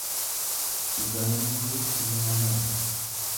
udaantuu ilaalaa.